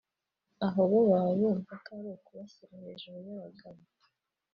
aho bo baba bumva ko ari ukubashyira hejuru y’abagabo